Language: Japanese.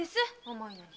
重いのに。